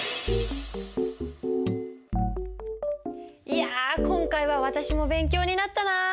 いや今回は私も勉強になったなあ。